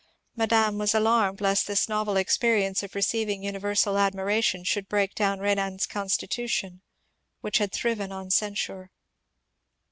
Madame was alarmed lest this novel experience of receiving universal admiration should break down Renan's constitution, which had thriven on censure.